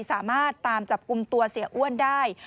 สามารถตามจับกลุ่มตัวเสียอ้วนได้